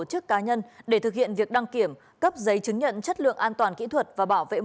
chức cá nhân để thực hiện việc đăng kiểm cấp giấy chứng nhận chất lượng an toàn kỹ thuật và bảo vệ